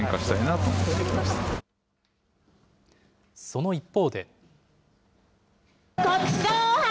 その一方で。